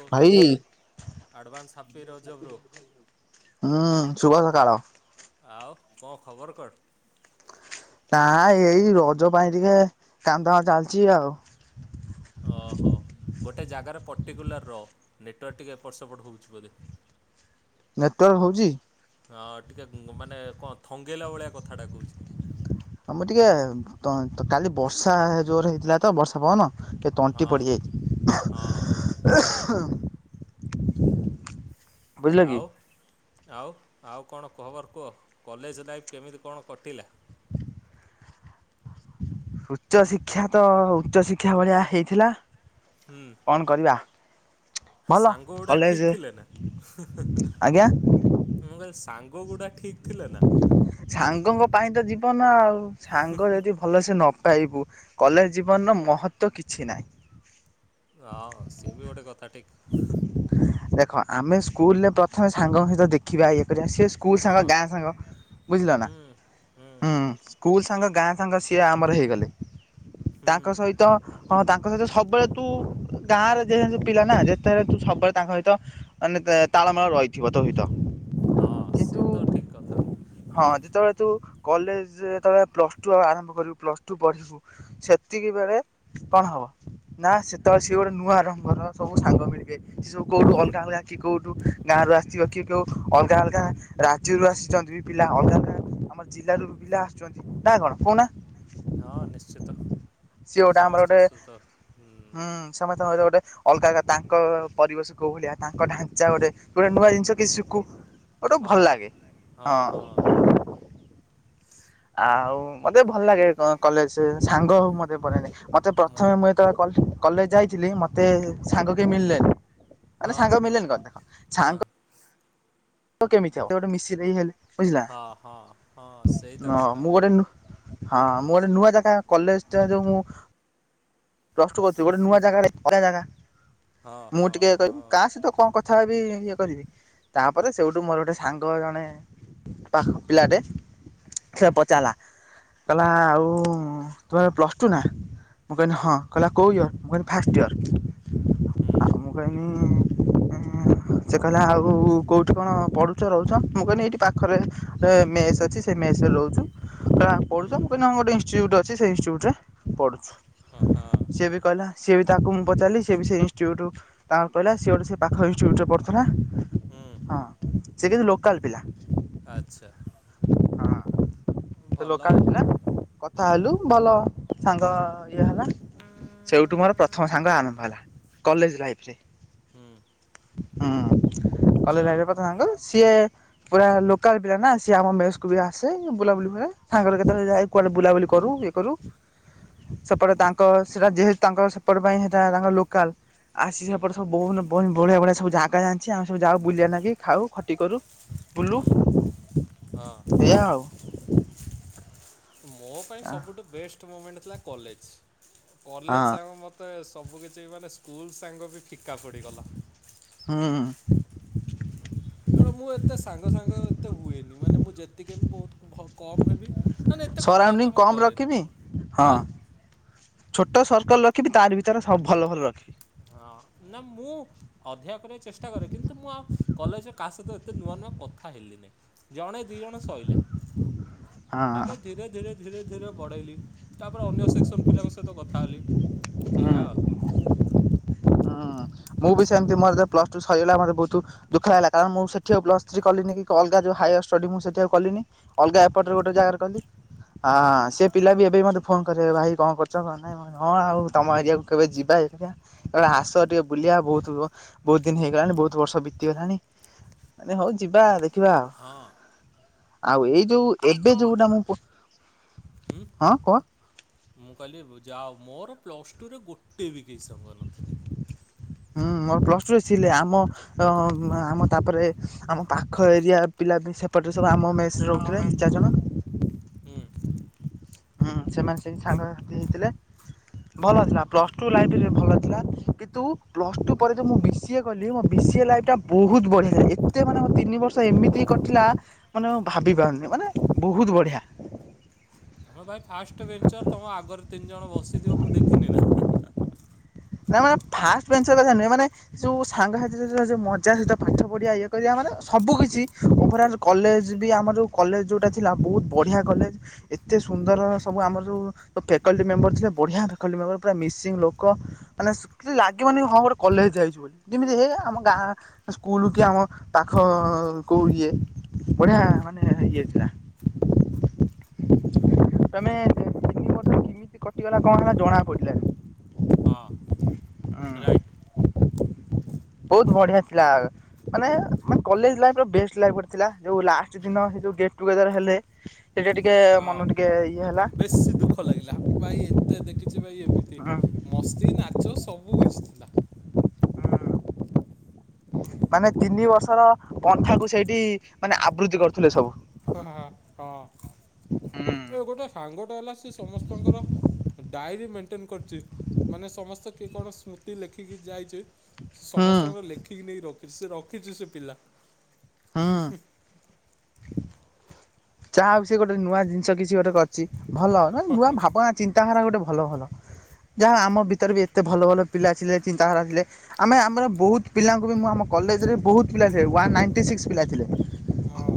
ଓ ଭାଇ advance happy Raja bro. ହୁଁ ଶୁଭ ସକାଳ। ଆଉ କଁ ଖବର କଣ? ନା ଏଇ ଏଇ ରଜ ପାଇଁ ଟିକେ କାମ୍ ଫାମ ଚାଲିଚି ଆଉ। ଓହୋ ଗୋଟେ ଜାଗାରେ ପର୍ଟିକୁଲାର ର ନେଟୱାର୍କ ଟିକେ ଏପଟ ସେପଟ ହଉଛି ବୋଧେ। ନେଟୱାର୍କ ହଉଚି। ହଁ ଟିକେ ଗୁଁ ମାନେ କଁ ଥଙ୍ଗେଇଲା ଭଳିଆ କଥାଟା କହୁଛି। ଆମର ଟିକେ ତ ତ କାଲି ବର୍ଷା ଜୋରେ ହେଇଥିଲା ତ ବର୍ଷା ପବନ କେ ତଣ୍ଟି ହଁ। ହଁ ପଡିଯାଇଚି। ବୁଝିଲ କି ଆଉ ଆଉ ଆଉ କଣ କୁହବର କୁହ କଲେଜ ଲାଇଫ୍ କେମିତି କଣ କଟିଲା। ଉଚ୍ଚଶିକ୍ଷା ତ ଉଚ୍ଚଶିକ୍ଷା ଭଳିଆ ହେଇଥିଲା। ହୁଁ। କଣ କରିବା? ଭଲ ସାଙ୍ଗଗୁଡା କଲେଜ ଠିକ୍ ଥିଲେ ନା ହୁଁ ହୁଁ ହୁଁ। ଆଜ୍ଞା ମୁଁ କହିଲି ସାଙ୍ଗଗୁଡା ଠିକ୍ ଥିଲେ ନା। ସାଙ୍ଗଙ୍କ ପାଇଁ ତ ଜୀବନ ଆଉ ସାଙ୍ଗ ଯଦି ଭଲସେ ନ ପାଇବୁ କଲେଜ୍‌ ଜୀବନର ମହତ୍ୱ କିଛି ନାହିଁ। ରହ ସିଏବି ଗୋଟେ କଥା ଠିକ୍। ଦେଖ ଆମେ ସ୍କୁଲରେ ପ୍ରଥମେ ସାଙ୍ଗଙ୍କ ସହିତ ଦେଖିବା ଇଏ କରିବା ସେ ସ୍କୁଲ ସାଙ୍ଗ ହଁ ଗାଁ ସାଙ୍ଗ ବୁଝିଲ ନା ହୁଁ ହୁଁ। ସ୍କୁଲ ସାଙ୍ଗ ଗାଁ ସାଙ୍ଗ ସିଏ ଆମର ହେଇଗଲେ ହୁଁ ତାଙ୍କ ସହି ତ ତାଙ୍କ ସହିତ ସବୁବେଳେ ତୁ ଗାଁରେ ଯେହେତୁ ପିଲା ନା ଯେତେବେଳେ ତୁ ସବୁବେଳେ ତାଙ୍କ ସହିତ ମାନେ ତାଳମାଳ ରହିଥିବ ତୋ ସହିତ। ହଁ ସେ କିନ୍ତୁ ତ ଠିକ୍ କଥା। ହଁ ଯେତେବେଳେ ତୁ କଲେଜ୍‌ ଯେତେବେଳେ ପ୍ଲସ ଟୁ ଆରମ୍ଭ କରିବୁ ପ୍ଲସ ଟୁ ପଢିବୁ ସେତିକି ବେଳେ କଣ ହବ? ନା ସେତେବେଳେ ସିଏ ଗୋଟେ ନୂଆ ରଙ୍ଗର ସବୁ ସାଙ୍ଗ ମିଳିବେ ସି ସବୁ କୋଉଠୁ ଅଲଗା ଅଲଗା କି କୋଉଠୁ ଗାଁ ରୁ ଆସିଥିବ କି କୋଉ ଅଲଗା ଅଲଗା ରାଜ୍ୟ ରୁ ଆସିଛନ୍ତି ବି ପିଲା ଅଲଗା ଆମର ଜିଲ୍ଲାରୁ ବି ପିଲା ଆସୁଛନ୍ତି ନାଁ କଣ କହୁନା। ହଁ ନିଶ୍ଚିତ ସିଏ ଗୋଟେ ଆମର ଗୋଟେ ସମସ୍ତ ସୁତର ହୁଁ ସମସ୍ତଙ୍କ ସହିତ ଗୋଟେ ଅଲଗା ତାଙ୍କ ପରିବେଶ କୋଉ ଭଳିଆ ତାଙ୍କ ଢାଞ୍ଚା ଗୋଟେ ଗୋଟେ ନୂଆ ଜିନିଷ କି ଶିଖୁ ଗୋଟେ ଭଲ ହଁ। ଲାଗେ। ହଁ ହଁ। ଆଉ ମତେ ଭଲ ଲାଗେ କଲେଜ ହେଉ ସାଙ୍ଗ ହୋଉ ମତେ ବଢିଆ ଲାଗେ ମତେ ମ ପ୍ରଥମେ ମୁଁ କଲେ କଲେଜ୍‌ ଯାଇଥିଲି ମତେ ସାଙ୍ଗ କେହି ମିଳିଲେନି ତ ମାନେ ହଁ ସାଙ୍ଗ ମିିଲେନି କଣ ଦେଖ ହଁ। ସାଙ୍ଗ ତ କେମିତି ହବ ମିଶି ବେଇ ହେଲେ। ହଁ ହଁ ହଁ ସେ। ହଁ ମୁଁ ଗୋଟେ ହଁ ମୁଁ ଗୋଟେ ନୂଆ ଜାଗା କଲେଜ୍‌ ଟା ଯୋଉ ମୁଁ ପ୍ଲସ ଟୁ କରୁଥିଲି ଗୋଟେ ନୂଆ ଜାଗା ହେ ଯା ଯା ହଁ ମୁଁ ହଁ ଟିକେ କହିବି ହଁ କାହା ସହିତ କଣ କଥା ବି ଇଏ କରିବି ତାପରେ ସେଇଠୁ ମୋର ଗୋଟେ ସାଙ୍ଗ ଜଣେ ପାଖ ପିଲାଟେ ସେ ପଚାରିଲା। କହିଲା ଆଉ ତୁମେ ପ୍ଲସ୍ ଟୁ ନା ମୁଁ କହିଲି ହଁ କହିଲା କୋଉ ଇୟର୍ ମୁଁ କହିଲି ଫାଷ୍ଟ ଇୟର୍ ହୁଁ ଆଉ ମୁଁ କହିନି ଇଁ ସେ କହିଲା ଆଉ କୋଉଠି କଣ ପଢୁଛ ରହୁଛ ମୁଁ କହିଲି ଏଇଠି ପାଖରେ ମେସ୍ ଅଛି ସେ ମେସ୍ ରେ ରହୁଛୁ କହିଲା ହୁଁ। ପଢ଼ୁଛ ମୁଁ କହିଲି ଆମ ଗୋଟେ ଇଷ୍ଟିଚ୍ୟୁଟ ଅଛି ସେ ଇଷ୍ଟିଚ୍ୟୁଟ ରେ ପଢ଼ଛୁ। ଅହଁ। ସିଏ ବି କଇଲା ସିଏ ବି ତା ମୁଁ ପଚାରିଲି ସେ ବି ସେଇ ଇଷ୍ଟିଚ୍ୟୁଟ ତାର ପାଇଲା ସିଏ ହେଟୁ ସେ ପାଖ ଇନଷ୍ଟିଚ୍ୟୁଟ ରେ ପଢୁଥିଲା। ହୁଁ ହଁ ସେ କିନ୍ତୁ ଲୋକାଲ୍ ପିଲା। ଆଚ୍ଛା। ସେ ଭଲ ଲୋକାଲ୍ ଆଉ ପିଲା କଥା ହୁଁ ହେଲୁ ଭଲ ସାଙ୍ଗ ଇଏ ହେଲା। ସେଇଠୁ ମୋର ପ୍ରଥମ ସାଙ୍ଗ ଆରମ୍ଭ ହେଲା କଲେଜ୍‌ ଲାଇଫ୍ ରେ। ହୁଁ। ହୁଁ ଯା ହଉ [unintelligible] ସିଏ ପୁରା ଲୋକାଲ୍ ପିଲା ନା ସିଏ ଆମ ମେସ୍ କୁ ବି ଆସେ ବୁଲାବୁଲି ହୁଏ ସାଙ୍ଗରେ କେତେବେଳେ ଯାଏ କୁଆଡେ ବୁଲାବୁଲି କରୁ କି। କରୁ ସେପଟେ ତାଙ୍କ ସେଟା ଯେହେତୁ ତାଙ୍କ ସେପଟ ପାଇଁ ସେଟା ତାଙ୍କର ଲୋକାଲ୍ ଆସି ହୁଁ ସେପଟ ସବୁ ବହୁନ ବହୁ ବଳିିଆ ଭଳିଆ ସବୁ ଜାଗା ଯାଣିଛି ଆମେ ସବୁ ଯାଉ ବୁଲିବା ଲାଗି ଖାଉ ଖଟି କରୁ। ବୁଲୁ ହୁଁ ହଁ ଏଇଆ ଆଉ। ମୋ ପାଇଁ ସବୁଠୁ ବେଷ୍ଟ ମୁଁମେଣ୍ଟ ଥିଲା କଲେଜ୍‌ କଲେଜ୍‌ ହଁ ସାଙ୍ଗ ମୋ ତ ସବୁ କିିଛି ମାନେ ସ୍କୁଲ ସାଙ୍ଗ ବି ଫିକା ପଡ଼ିଗଲା। ହୁଁ। ତେଣୁ ମୁଁ ଏତେ ସାଙ୍ଗ ସାଙ୍ଗ ଏତେ ହୁଏନି ମାନେ ମୁଁ ଯେତିକି ବହୁତ କମ୍ ହେବି ନା ନା ଏତେ ସରାଉଣ୍ଡିଂ କଥାବାର୍ତ୍ତା ମୁଁ କମ୍ କରେନି। ରଖିବି ହଁ। ଆଁ ଛୋଟ ସର୍କଲ ରଖିବି ତାରି ଭିତରେ ସ ଭଲ ଭଲ ରଖିବି। ହଁ ନା ମୁଁ ଅଧିକା କରିବାକୁ ଚେଷ୍ଟା କରେ କିନ୍ତୁ ମୁଁ ଆ କଲେଜ କାହା ସହିତ ଏତେ ନୂଆ ନୂଆ କଥା ହେଲିନେଇଁ ଜଣେ ଦିଇ ଜଣ ଶଇଲା। ହଁ ତାପରେ ଧୀରେ ଧୀରେ ଧୀରେ ଧୀରେ ବଢ଼େଇଲି ତାପରେ ଅନ୍ୟ ସେକ୍ସନ ପିଲାଙ୍କ ସହିତ କଥା ହେଲି। ହୁଁ ଏୟା ଆଉ। ହୁଁ ମୁଁ ବି ସେମିତି ମୋର ଯେତେ ବେଳେ ପ୍ଲସ ଟୁ ସରିଗଲା ମତେ ବୋହୁତ ଦୁଃଖ ଲାଗିଲା। କାରଣ ମୁଁ ସେଠୀ ଆଉ ପ୍ଲସ ଥ୍ରୀ କଲିନି କି ଅଲଗା ଯୋଉ ହାୟର ଷ୍ଟଡି ମୁଁ ସେଠୀ ଆଉ କଲିନି। ଅଲଗା ହୁଁ ଏପଟରେ ଗୋଟେ ଜାଗାରେ କଲି ଆ ହଁ ହଁ ସେ ପିଲା ବି ଏବେ ବି ମୋତେ ଫୋନ କରିବେ। ଭାଇ କଣ କରୁଚ କଣ ନାଇଁ? ହ ହଁ ଆଉ ତମ ଏରିଆକୁ କେବେ ଯିବା ଦେଖିବା। ଏ ଆସ ବୁଲିବା ବହୁତ ବ ବହୁତ ଦିନ ହେଇଗଲାଣି ବହୁତ ବର୍ଷ ବିତିଗଲାଣି ମୁନି ହଉ ଯିବା ଦେ ହଁ। ଆଉ ଏଇ ଯୋଉ ଏଇ ଏବେ ଯୋଉ ଏ ଯୋଉଟା ମୁଁ ପୋ ହୁଁ ହଁ କ? ମୁଁ କହିଲି ଯା ଓଉ ମୋର ପ୍ଲସ ଟୁ ରେ ଗୋଟେ ବି କେହି ସାଙ୍ଗ ନଥିଲେ। ହୁଁ ମୋର ପ୍ଲସ ଟୁରେ ଥିଲେ ଆମ ଅ ଆମ ତାପରେ ଆମ ପାଖ ଏରିଆ ପିଲା ବି ସେପଟେ ସବୁ ଆମ ମେ ସ ରେ ରହୁଥିଲେ ଦି ଚାରି ଜଣ। ହୁଁ। ହୁଁ ସେମାନେ ସେମିତି ସାଙ୍ଗ ହେଇଥିଲେ। ଭଲ ଥିଲା ପ୍ଲସ୍ ଟୁ ଲାଇଫରେ ଭଲ ଥିଲା କିନ୍ତୁ ପ୍ଲସ ଟୁ ପରେ ଯୋଉ ମୁଁ ବିସ ସି ଏ କଲି ମୋ ବି ସି ଏ ଲାଇଫଟା ବହୁତ ବଢିଆ ଥିଲା। ଏତେ ମାନେ ମୋ ତିନି ବର୍ଷ ଏମିତି କଟିଲା ମାନେ ମୁଁ ଭାବିପାରୁନି ମାନେ ବହୁତ ବଢିଆ। ହଁ ଭାଇ ଫାଷ୍ଟ ବେଞ୍ଚର ତମ ଆଗରେ ତିନି ଜଣ ବସିଥିବ ମୁଁ ଦେଖିନି ନା। ନା ମାନେ ଫାଷ୍ଟବେଞ୍ଚ କଥା ନୁହେଁ ମାନେ ଯୋଉ ସାଙ୍ଗସାଥି [unintelligible] ଯୋଉ ମଜା ସହିତ ପାଠ ପଢ଼ିବା ଇଏ କରିବା ମାନେ ସବୁ କିଛି ଓଭରାଲ କଲେଜ ବି ଆମର ଯେଉଁ କଲେଜ ଯେଉଁଟା ଥିଲା ବହୁତ ବଢ଼ିଆ କଲେଜ। ଏତେ ସୁନ୍ଦର ସବୁ ଆମର ଯୋଉ ଫେକଲଟି ମେମ୍ବର ଥିଲେ ବଢିଆ ଫେକଲଟି ମେମ୍ବର ପୁରା ମିସିଙ୍ଗ ଲୋକ। ମାନେ ସ କିଛି ଲାଗିବନି ହଁ ଗୋଟେ କଲେଜ ଯାଇଚୁ ବୋଲି। ଯେମିତି ହେ ଆମ ଗାଁ ସ୍କୁଲ କି ଆମ ପାଖ କୋଉ ଇଏ। ବଢିଆ ମାନେ ଇଏ ଥିଲା। ତମେ ତିନି ବର୍ଷ କିମିତି କଟିଗଲା କଣ ହେଲା ଜଣାପଡ଼ିଲାନି। ହଁ। ହୁଁ ରାଇଟ୍ ବହୁତ ବଢିଆ ଥିଲା ମାନେ ମାନେ କଲେଜ ଲାଇଫର ବେଷ୍ଟ ଲାଇଫ ଗୋଟେ ଥିଲା ଯୋଉ ଲାଷ୍ଟ ଦିନ ଯୋଉ ଗେଟ୍ ଟୁଗେଦର ହେଲେ ସେଟା ଟିକେ ହଁ ମନ ଟିକେ ଇଏ ହେଲା। ବେଶୀ ଦୁଃଖ ଲାଗିଲା ଭାଇ ଏତେ ଦେଖିଚି ଭାଇ ଏମିତି ଉଁ ମସ୍ତି ନାଚ ସବୁ କିିଛି ଥିଲା। ଉଁ ମାନେ ତିନି ବର୍ଷର ପନ୍ଥାକୁ ସେଇଠି ମାନେ ଆବୃତି କରୁଥିଲେ ସବୁ। [unintelligible] ହଁ ଏ ଗୋଟେ ସାଙ୍ଗଟେ ହେଲା ସେ ସମସ୍ତଙ୍କର ଡାଏରୀ ମେଣ୍ଟେନ କରିଛି ମାନେ ସମସ୍ତେ କିଏ କଣ ସ୍ମୃତି ଲେଖିକି ଯାଇଛି। ହୁଁ ସମସ୍ତଙ୍କର ଲେଖିକି ନେଇକି ରଖିଚି ସେ ରଖିଚି ସେ ପିଲା ହୁଁ ହୁଁ। ଯାହା ହଉ ସିଏ ଗୋଟେ ନୂଆ ଜିନିଷ କିଛି ଗୋଟେ କରିଚି ଭଲ ନୂଆ ଭାବନା ଚିନ୍ତାଧାରା ଗୋଟେ ଭଲ ଭଲ। ଯାହା ହଉ ଆମ ଭିତରେ ଏତେ ଭଲ ଭଲ ପିଲା ଥିଲେ ଚିନ୍ତାଧାରା ଥିଲେ। ଆମେ ଆମର ବହୁତ ପିଲାଙ୍କୁ ବି ମୁଁ ଆମ କଲେଜରେ ବହୁତ ପିଲା ଥିଲେ ୱାନ ନାଇଟି ସିକ୍ସ ପିଲା ଥିଲେ। ହଁ।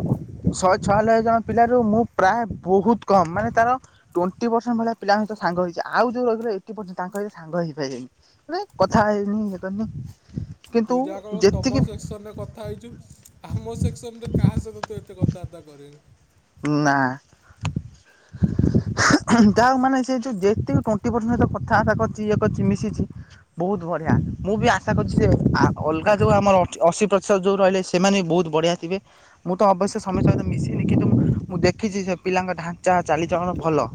ଶହେ ଛୟାଲବେ ଜଣ ପିଲାରୁ ମୁଁ ପ୍ରାୟ ବହୁତ କମ ମାନେ ତାର ଟ୍ୱେଣ୍ଟି ପରସେଣ୍ଟ ଭଳିଆ ପିଲାଙ୍କ ସହିତ ସାଙ୍ଗ ହେଇଚି ଆଉ ଯୋଉ ଏଇଟି ପରସେଣ୍ଟ ତାଙ୍କ ସହିତ ସାଙ୍ଗ ହେଇ ପାରିଲିନି। ନାଇଁ କଥାଇ ହେଇିନି ଇୟେ କରିନି। କିନ୍ତୁ ତୁ ଯାକ ତମ ଯେତିକି ସେକ୍ସନରେ କଥା ହେଇଚୁ ଆମ ସେକ୍ସନ ରେ କାହା ସହିତ ତୁ ଏତେ କଥାବାର୍ତ୍ତା କରିନୁ। ନା। ତା ମାନେ ସେ ଯଉ ଯେତିକି ଟୁୱଣ୍ଟି ପରସେଣ୍ଟ କଥାବାର୍ତ୍ତା କରିଚି ଇଏ କରିଚି ମିଶିଚି ବହୁତ ବଢିଆ। ମୁଁ ବି ଆଶା କରୁଚି ଯେ ଆ ଅଲଗା ଯୋଉ ଆମର ଅଶୀ ପ୍ରତିଶତ ଯୋଉ ରହିଲେ ସେମାନେ ବି ବହୁତ ବଢିଆ ଥିବେ। ମୁଁ ତ ଅବଶ୍ୟ ସମସ୍ତ ଙ୍କ ସହିତ ମିଶି ମୁଁ ଦେଖିଚି ସେ ପିଲାଙ୍କ ଢାଞ୍ଚା ଚାଲିଚଲଣ ଭଲ।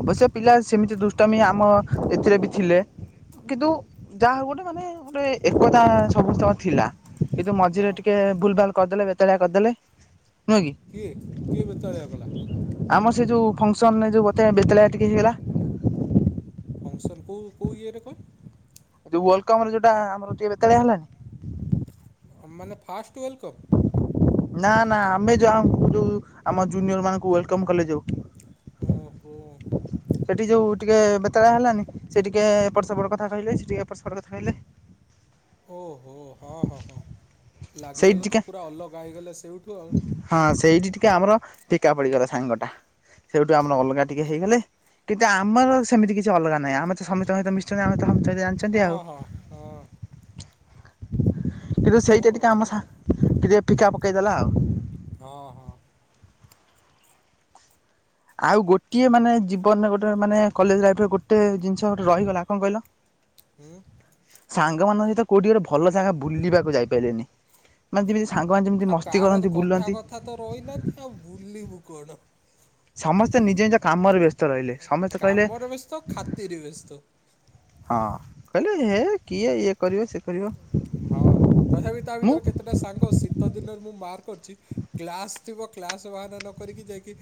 ଅବଶ୍ୟ ପିଲା ସେମିତି ଦୁଷ୍ଟାମୀ ଆମ ଏଥିରେ ବି ଥିଲେ। କିନ୍ତୁ ଯାହାର ଗୋଟେ ମାନେ ଗୋଟେ ଏକତା ସମସ୍ତଙ୍କ ଥିଲା। କିନ୍ତୁ ମଝିରେ ହଁ ଟିକେ ଭୁଲ ଭାଲ କରିଦେଲେ। ବେତଳିଆ କରିଦେଲେ ନୁହଁ କି? କିଏ କିଏ ବେତାଳିଆ କଲା? ଆମର ସେ ଯୋଉ ଫଙ୍କସନ ଏ ଯୋଉ ବତେ ବେତଳିଆ ଟିକେ ହେଇଗଲା। ଫଙ୍କସନ୍ କଉଁ କଉ ଇଏରେ କଣ? ଯୋଉ ୱେଲକମରେ ଯୋଟା ଆମର ଟିକେ ବେତାଲିଆ ହେଲାନି? ମାନେ ଫାଷ୍ଟ୍ ୱେଲକମ? ନା ନା ଆମେ ଯ ଆ ଯୋଉ ଆମ ଜୁନିୟର ମାନଙ୍କୁ ୱେଲକମ କଲେ ଯଉ। ଓହୋ। ସେଠି ଯୋଉ ଟିକେ ବେତାଳିଆ ହେଲାନି? ସେ ଟିକେ ଏପଟ ସେପଟ କଥା କହିଲେ। ସେ ଟିକେ ଏପଟ ସେପଟ କଥା କହିଲେ। ଓହୋ ହଁ ହଁ ହଁ ସେଇଠି ଲାଗିଗଲେ ତ, ଟିକେ ପୁରା ଅଲଗା ହେଇଗଲା ସେଇଠୁ ଆଉ। ହଁ ସେଇଠି ଟିକେ ଆମର ଫିକା ପଡିଗଲା ସାଙ୍ଗ ଟା। ସେଇଠୁ ଆମର ଅଲଗା ଟିକେ ହେଇଗଲେ, କିନ୍ତୁ ଆମର ସେମିତି କିଛି ଅଲଗା ନାହିଁ ଆମେ ତ ସମସ୍ତଙ୍କ ସହ ମି ମିଶିଚନ୍ତି। ଆମେ ତ ଭାବଚନ୍ତି ହଁ ଜାଣିଚନ୍ତି ହଁ ହଁ ଆଉ। କିନ୍ତୁ କଣ ସେଇଟା ଟିକେ ଆମ ହଁ ସାଂଗ ଟିକେ ଫିକା ପକେଇଦେଲା ଆଉ। ହଁ ହଁ। ଆଉ ଗୋଟିଏ ମାନେ ଜୀବନରେ ଗୋଟେ ମାନେ କଲେଜ ଲାଇଫରେ ଗୋଟେ ଜିନିଷ ଗୋଟେ ରହିଗଲା କଣ କହିଲ? ହୁଁ ସାଙ୍ଗମାନଙ୍କ ସହିତ କୋଉଠି ଗୋଟେ ଭଲ ଜାଗା ବୁଲିବାକୁ ଯାଇପାରିଲିନି। ମାନେ ଯେମିତି ସାଙ୍ଗମାନେ ଯେମିତି ଆଉ ମସ୍ତି କାହାର ତ କରନ୍ତି କଥା ବୁଲନ୍ତି। କଥା ତ ରହିଲାନି ଆଉ ବୁଲିବୁ କଣ? ସମସ୍ତେ ନିଜ ନିଜ କାମରେ ବ୍ୟସ୍ତ ରହିଲେ। ସମସ୍ତେ କହିଲେ କାମରେ ବ୍ୟସ୍ତ ଖାତିରେ ବ୍ୟସ୍ତ। ହଁ କହିଲେ ହେ କିଏ ୟେ ହଁ ତଥାପି ତା ମୁଁ ଭିତରେ କେ ସେତେଟା ସାଙ୍ଗ ଶୀତ ଦିନରେ ମୁଁ ମାର୍କ କରିଚି କ୍ଲାସ୍ ଥିବ କ୍ଲାସ ବାହାନା ନ କରିକି ଯାଇକି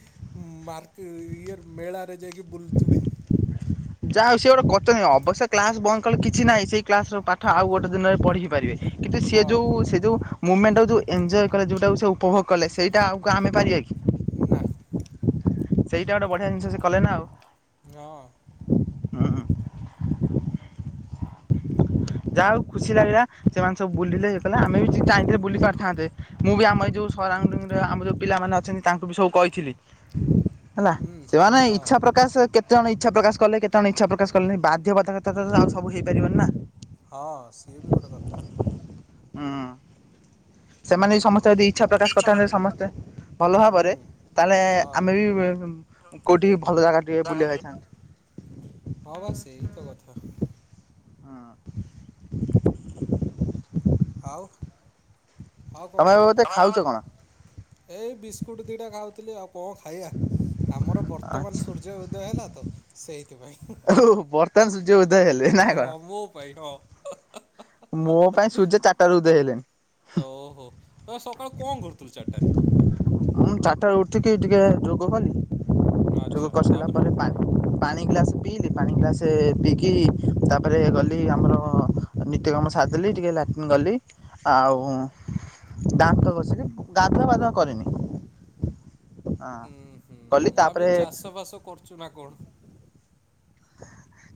ମାର୍କେ ଇଏ ମେଳାରେ ଯାଇକି ବୁଲୁଥିବି। [inaudible] ଯାହା ହଉ ସେ ଗୋଟେ କଚନି ଅବଶ୍ୟ କ୍ଲାସ ବନ୍ଦ କଲେ କିଛି ନାହିଁ ସେଇ କ୍ଲାସ ରର ପାଠ ଆଉ ଗୋଟେ ଦିନରେ ପଢି ପାରିବେ। କିନ୍ତୁ ସିଏ ହଁ ଯୋଉ ସେ ଯୋଉ ମୁମେଣ୍ଟଟାକୁ ଯଉଁ ଏଞ୍ଜୟ କଲେ ଯେଉଁଟାକୁ ସେ ଉପଭୋଗ କଲେ ସେଇଟା ଆଉ ଆମେ କଣ ପାରିବା କି? ନା। ସେଇଟା ଗୋଟେ ବଢିଆ ଜିନିଷ ସେ କଲେ ନା ଆଉ। ହଁ। ହୁଁ ଯାହାହଉ ଖୁସି ଲାଗିଲା ସେମାନେ ସବୁ ବୁଲିଲେ ହେଇକଲେ ଆମେ ବି ଚାହିଁ ଥିଲେ ବୁଲି ପାରିଥାନ୍ତେ। ମୁଁ ବି ଆମ ଏ ଯୋଉ ସରାଉଣ୍ଡିଂ ରେ ଆମ ଯୋଉ ପିଲାମାନେ ଅଛନ୍ତି ତାଙ୍କୁ ବି ସବୁ କହିଥିଲେ। ହେଲା ହୁଁ ସେମାନେ ହଁ ଇଚ୍ଛା ପ୍ରକାଶ କେତେ କେତ ଜଣ ଇଚ୍ଛା ପ୍ରକାଶ କଲେ, କେତେ ଜଣ ଇଚ୍ଛ ପ୍ରକାଶ କଲେ ବାଧ୍ୟବଧକତା ତ ଆଉ ସବୁ ହେଇପାରିବନି ନା? ହଁ ସିଏ ବି ଗୋଟେ କଥା। ହୁଁ ସେମାନେ ବି ସମସ୍ତେ ଯଦି ଇଚ୍ଛା ପ୍ରକାଶ କରିଥାନ୍ତେ ସମସ୍ତେ ଭଲ ହୁଁ ଭାବରେ ତାହେଲେ ହଁ। ଆମେ ବି କୋଉଠି ଭଲ ଜାଗା ଟିକେ ବୁଲି ଆକୁ ଯାଇଥାନ୍ତୁ। ହଁ ବା ସେଇ ତ କଥା। ହ। ହଉ ଆଉ କଣ ଏବେ ଖବର ବୋଧେ କହ? ଖାଉଛ କଣ? ଏଇ ବିସ୍କୁଟ ଦିଟା ଖାଉଥିଲି ଆଉ, କଣ ଖାଇଆ? ଆମର ବର୍ତ୍ତମାନ ଆଚ୍ଛା ସୂର୍ଯ୍ୟ ଉ ଦୟ ହେଲା ତ, ସେଇଥିପାଇଁ। ଓହୋ ବର୍ତ୍ତମାନ ସୂର୍ଯ୍ୟ ଉଦୟ ହେଲେ ନା ହଁ କଣ? ମୋ ପାଇଁ ହଁ। ମୋ ପାଇଁ ସୂର୍ଯ୍ୟ ଚାରିଟାରୁ ଉଦୟ ହେଲେଣି। ଓ ହୋ ତ ସକାଳୁ କଣ କରୁଥିଲୁ ଚାରିଟାରେ? ମୁଁ ଚାରିଟାରୁ ଉଠିକି ଟିକେ ଯୋଗ କଲି ଯୋଗ ଆଚ୍ଛା କରିସାରିଲା ତାପରେ ପରେ ପା ପାଣି ଗ୍ଲାସ ପିଇଲି, ପାଣି ଗ୍ଲାସେ ପିଇକି ତାପରେ ଗଲି ଆମର ନିତ୍ୟକର୍ମ ସାରିଦେଲି। ଟିକେ ଲା ଗଲି ଆଉ ଦାନ୍ତ ଘଷିଲି, ଗାଧୁଆ ପାଧୁଆ କରିନି। ହଁ ଉୁଁ- ହୁଁ କଲି -ମୁଁ ଭାବିଲି ତାପରେ ଚାଷ ଫାସ କରୁଚୁ ନା କଣ?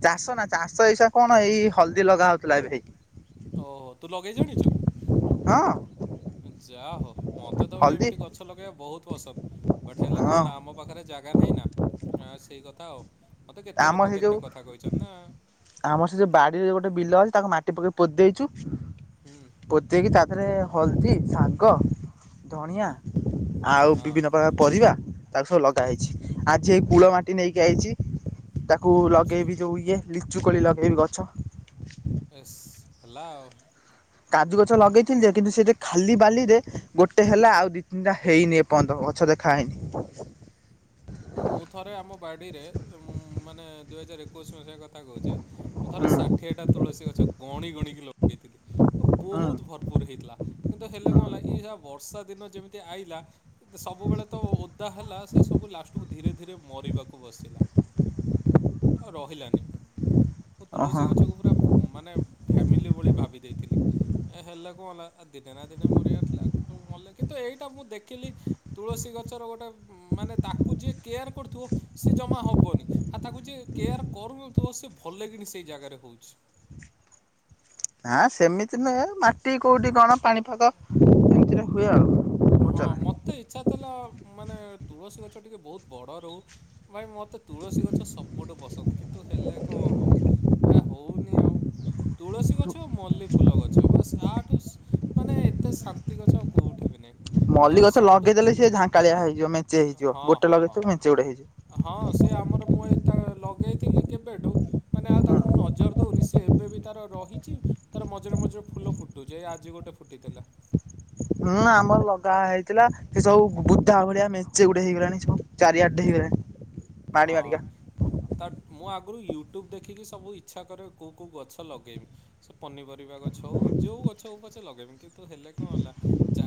ଚାଷ ନା ଚାଷ ଏଇସା କଣ ଏଇ ହଳଦୀ ଲଗା ହଉଥିଲା ଏବେ। [unintelligible] ଓ ହୋ ତୁ ଲଗେଇ ଜାଣିଚୁ? ହଁ ଯାହଉ ମୋତେ ତ ବି ହଳଦୀ ଏମିତି ଗଛ ଲଗେଇବା ବହୁତ ପସନ୍ଦ। ପଠେଇଲେ କଣ ହଁ ହେଲା, ଆମ ପାଖ ପାଖରେ ଜାଗା ନାହିଁ ନା ସେଇ କଥା ଆଉ, ମୋତେ କେତେ ଆମ ଲୋକ ସେ ଯୋଉ କେତେ କଥା କହିଛନ୍ତି ନା। ଆମର ସେ ଯୋଉ ବାଡିରେ ଗୋଟେ ବିଲ ଅଛି, ତାକୁ ମାଟି ପକେଇ ପୋତି ଦେଇଚୁ। ହୁଁ। ପୋତି ଦେଇକି ତା ଦେହରେ ହଳଦୀ, ଶାଗ, ଧଣିଆ ଆଉ ହଁ ବିଭିନ୍ନ ପ୍ରକାର ପରିବା ତାକୁ ସବୁ ଲଗା ହେଇଛି, ଆଜି ଏଇ କୂଳ ମାଟି ନେଇକି ଆଇଚି ତାକୁ ଲଗେଇବି ଯୋଉ ଇଏ, ଲିଚୁ କୋଳି ଲଗେଇବି ଗଛ। ଏସ୍ ହେଲା ଆଉ। କାଜୁ ଗଛ ଲଗେଇଥିଲି ଯେ, କିନ୍ତୁ ସେଇଠି ଖାଲି ବାଲିରେ ଗୋଟେ ହେଲା ଆଉ ଦିଇ ତିନିଟା ହେଇନି ଏ ପ ର୍ଯ୍ୟନ୍ତ ଗଛ ଦେଖାହଇନି। ମୁଁ ଥରେ ଆମ ବାଡ଼ିରେ, ମାନେ ଦୁଇ ହଜାର ଏକୋଇଶି ମସିହା କଥା କହୁଛି। ମୁଁ ଥରେ ହୁଁ ଷାଠିଏଟା ତୁଳସୀ ଗଛ, ଗଣି ଗଣିକି ଲଗେଇଥିଲି। ହୁଁ ବହୁତ ଭରପୁର ହେଇଥିଲା, କିନ୍ତୁ ହେଲେ କଣ ହେଲା ହୁଁ ଏ ଶଳା ବର୍ଷା ଦିନ ଯେମିତି ଆଇଲା। ସବୁବେଳେ ତ ଓଦା ହେଲା, ସେ ସବୁ ଲାଷ୍ଟ କୁ ଧୀରେ ଧୀରେ ମରିବାକୁ ବସିଲା, ଆଉ ରହିଲାନି। ମୁଁ ଓହୋ ତୁଳସୀ ଗଛକୁ ପୁରା, ମାନେ ଫ୍ୟାମିଲି ଭଳି ଭାବି ଦେଇଥିଲି। ଏ ହେଲା କଣ ହେଲା ଏ ଦିନେ ନା ଦିନେ ମରି ଆରଥିଲା, କିନ୍ତୁ ମଲେ କିନ୍ତୁ ଏଇଟା ମୁଁ ଦେଖିଲି ତୁଳସୀ ଗଛର ଗୋଟେ ମାନେ ତାକୁ ଯିଏ କେୟାର କରୁଥିବ, ସିଏ ଜମା ହବନି। ଆଉ ତାକୁ ଯିଏ କେୟାର କରୁୁ ନଥିବ, ସେ ଭଲ କିଣି ସେଇ ଜାଗାରେ ହଉଚି। ନାଁ ସେମିତି ନୁହେଁ, ମାଟି କୋଉଠି କଣ ପାଣିପାଗ ସେମିତିରେ ହୁଏ ଆଉ। ବୁଝୁଛ ହଁ ନା। ମୋତେ ଇଚ୍ଛା ଥିଲା ମାନେ, ତୁଳସୀ ଗଛ ଟିକେ ବହୁତ ବଡ଼ ରହୁ। ଭାଇ ମ ତେ ତୁଳସୀ ଗଛ ସବୁଠୁ ପସନ୍ଦ, କିନ୍ତୁ ହେଲେ କଣ ହବ ଆ ହଉନି ଆଉ। ତୁଳସୀ ଗଛ ଆଉ ମଲ୍ଲିୀ ଫୁଲ ଗଛ ବାସ ଆଠୁ ମାନେ ଏତେ ଶାନ୍ତି ଗଛ ଆଉ କେଉଁଠି ବି ନାହିଁ। ଆଉ ମଲ୍ଲି ଗଛ ସବୁଠୁ ଲଗେଇଦେଲେ ସିଏ ଝାଙ୍କାଳିଆ ହେଇଯିବ, ମେଞ୍ଚେ ହେଇଯିବ ହଁ ଗୋଟେ ହଁ ହଁ। ଲଗେଇଥିବ ମେଞ୍ଚେ ଗୁଡେ ହେଇଯିବ। ହଁ ସେ ଆମର ମୁଁ ଏଇ ତ ଲଗେଇଥିଲି କେବେଠୁ କାଇଁ ନା ଆଉ ତାକୁ ମୁଁ ନଜର ଦଉନି, ସେ ଏବେ ବି ତାର ରହିଚି ତାର ମଝିରେ ମଝିରେ ଫୁଲ ଫୁଟୁଛି, ଏଇ ଆଜି ଗୋଟେ ଫୁଟିଥିଲା। ହୁଁ ଆମର ଲଗା ହେଇଥିଲା, ସେ ସବୁ ବୁଦା ଭଳିଆ ମେଞ୍ଚେ ଗୁଡ଼େ ହେଇଗଲାଣି ସବୁ। ଚାରିଆଡେ ହେଇଗଲାଣି। ମାଡି ହଁ। ମାଡିକା। ତା ମୁଁ ଆଗରୁ ୟୁଟ୍ୟୁବ୍ ଦେଖିକି ସବୁ ଇଚ୍ଛା କରେ, କୋଉ କୋଉ ଗଛ ଲଗେଇବି? ସେ ପନିପରିବା ଗଛ ହଉ ଯୋଉ ଗଛ ହଉ ପଛେ ଲଗେଇବି, କିନ୍ତୁ ହେଲେ କଣ ହେଲା ଜାଗା